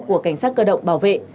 của cảnh sát cơ động bảo vệ